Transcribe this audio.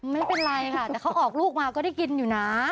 ไม่เป็นไรค่ะแต่เขาออกลูกมาก็ได้กินอยู่นะ